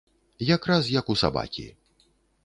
Якраз як у сабакі.